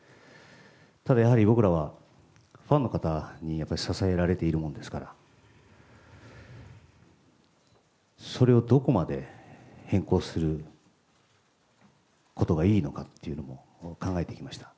ただやはり、僕らはファンの方にやっぱり支えられているものですから、それをどこまで変更することがいいのかっていうのも考えてきました。